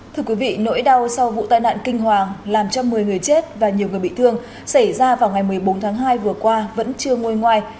thưa quý vị nỗi đau sau vụ tai nạn kinh hoàng làm cho một mươi người chết và nhiều người bị thương xảy ra vào ngày một mươi bốn tháng hai vừa qua vẫn chưa ngôi ngoài